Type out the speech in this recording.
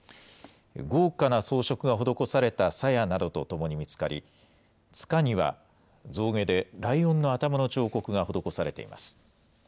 豪華な装飾が施されたさやなどとともに見つかり、つかには象牙でライオンの頭の彫刻が施されています。